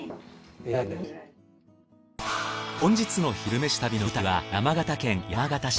本日の「昼めし旅」の舞台は山形県山形市。